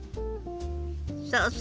そうそう。